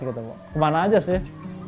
kemana aja sih